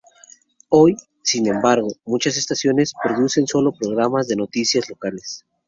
Hoy, sin embargo, muchas estaciones producen sólo los programas de noticias locales.